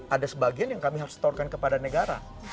ada sebagian yang kami harus setorkan kepada negara